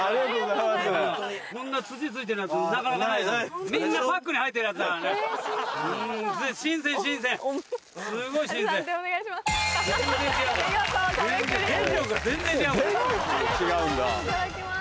いただきます。